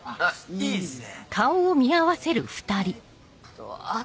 いいですね。